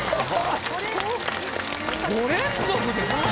５連続ですよ。